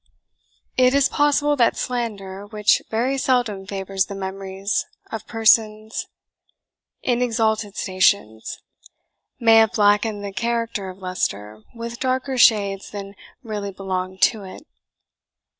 It is possible that slander, which very seldom favours the memories of persons in exalted stations, may have blackened the character of Leicester with darker shades than really belonged to it.